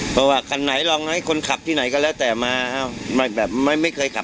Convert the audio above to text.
เพราะว่าคันไหนลองให้คนขับที่ไหนก็แล้วแต่มา